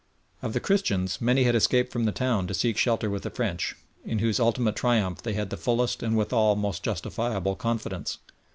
Of the Christians many had escaped from the town to seek shelter with the French, in whose ultimate triumph they had the fullest and withal most justifiable confidence.